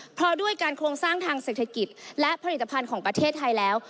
เพราะด้วยการโครงสร้างทางเศรษฐกิจและผลิตภัณฑ์ของประเทศไทยแล้ว